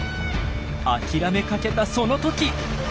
諦めかけたその時。